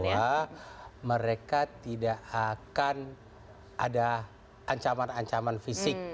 bahwa mereka tidak akan ada ancaman ancaman fisik